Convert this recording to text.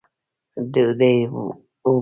ډوډۍ وباسئ